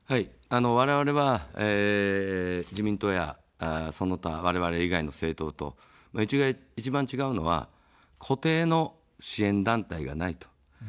われわれは、自民党やその他われわれ以外の政党と一番違うのは固定の支援団体がないと。